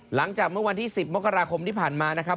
หลังจากเมื่อวันที่๑๐มกราคมที่ผ่านมานะครับ